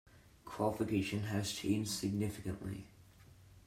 Qualification has changed significantly.